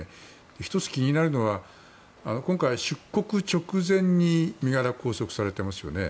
１つ気になるのは今回、出国直前に身柄を拘束されていますよね。